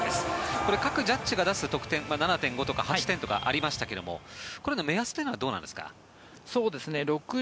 これ、各ジャッジが出す得点７．５とか８とかありましたが目安はどうなんですか？